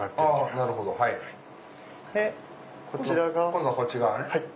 今度はこっち側ね。